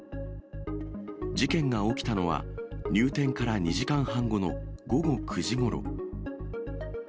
事件が起きたのは入店から２時間半後の午後９時ごろ。